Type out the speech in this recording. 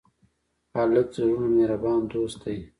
هلک د زړونو مهربان دوست دی.